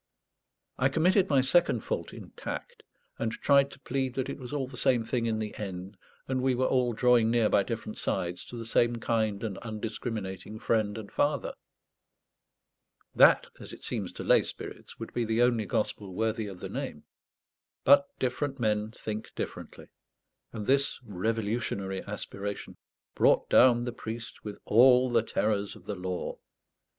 I committed my second fault in tact, and tried to plead that it was all the same thing in the end, and we were all drawing near by different sides to the same kind and undiscriminating Friend and Father. That, as it seems to lay spirits, would be the only gospel worthy of the name. But different men think differently; and this revolutionary aspiration brought down the priest with all the terrors of the law.